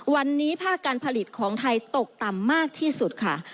วันนี้ภาคการผลิตของไทยตกต่ำมากที่สุดค่ะ